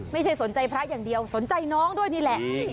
ไม่ใช่สนใจพระอย่างเดียวสนใจน้องด้วยนี่แหละ